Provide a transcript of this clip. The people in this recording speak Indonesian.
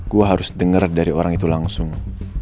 gue harus dengar dari orang itu langsung